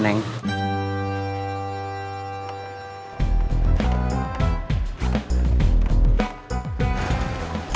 minta diantar si neng